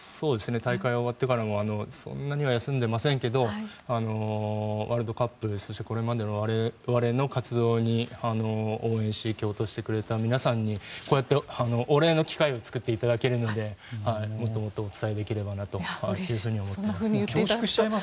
大会が終わってからもそんなには休んでませんけどワールドカップそしてこれまでの我々の活動に応援し、共闘してくれた皆さんにこうやってお礼の機会を作っていただけるのでもっともっとお伝えできればなとそういうふうに思っています。